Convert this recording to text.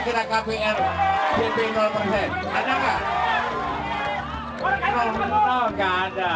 selama ini kok gak belum tau ya